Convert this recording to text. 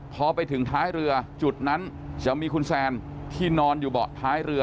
พอไปถึงท้ายเรือจุดนั้นจะมีคุณแซนที่นอนอยู่เบาะท้ายเรือ